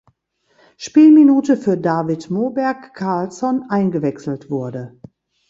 Spielminute für David Moberg Karlsson eingewechselt wurde.